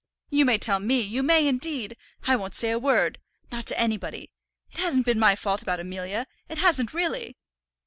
"You may tell me; you may, indeed. I won't say a word, not to anybody. It hasn't been my fault about Amelia. It hasn't really."